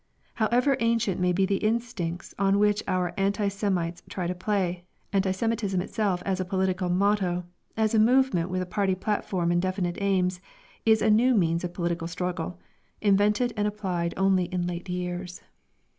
However ancient may be the instincts on which our anti Semites try to play, anti Semitism itself as a political motto, as a movement with a party platform and definite aims, is a new means of political struggle, invented and applied only in late years.